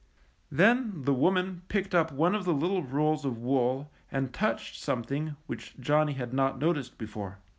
154 NANNIE'S COAT. Then the woman picked up one of the little rolls of wool and touched something which Johnny had not noticed before.